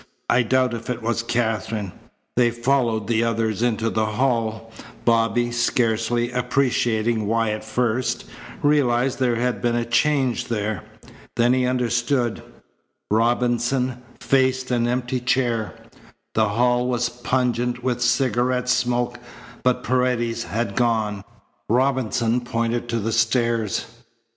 I doubt if it was Katherine." They followed the others into the hall. Bobby, scarcely appreciating why at first, realized there had been a change there. Then he understood: Robinson faced an empty chair. The hall was pungent with cigarette smoke, but Paredes had gone. Robinson pointed to the stairs.